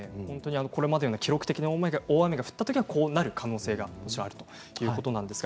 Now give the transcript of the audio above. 記録的な大雨が降ったときはこうなる可能性があるということですね。